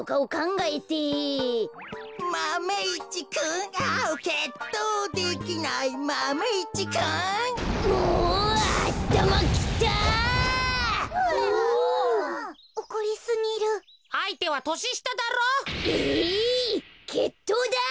えいけっとうだ！